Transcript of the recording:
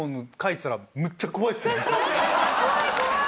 怖い怖い。